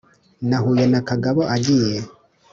Nahuye na Kagabo agiye